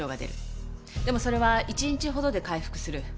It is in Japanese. でもそれは１日ほどで回復する。